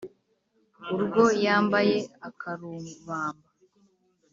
urwo yambaye akarubamba